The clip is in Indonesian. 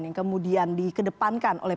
yang kemudian dikedepankan oleh